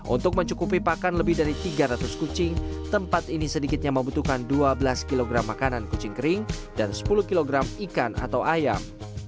untuk mencukupi pakan lebih dari tiga ratus kucing tempat ini sedikitnya membutuhkan dua belas kg makanan kucing kering dan sepuluh kg ikan atau ayam